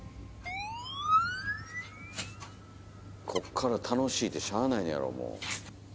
こっから楽しぃてしゃあないねんやろもう。